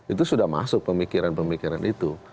itu sudah masuk pemikiran pemikiran itu